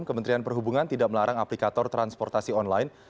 kementerian perhubungan tidak melarang aplikator transportasi online